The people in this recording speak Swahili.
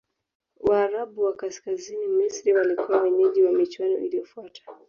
waarabu wa kaskazini misri walikuwa wenyeji wa michuano iliyofuata